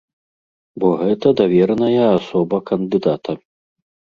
Бо гэта давераная асоба кандыдата.